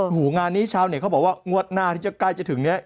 โอ้โหงานนี้ชาวเน็ตเขาบอกว่างวดหน้าที่จะใกล้จะถึงเนี่ย